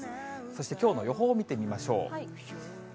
そして、きょうの予報を見てみましょう。